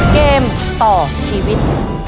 เกมต่อชีวิต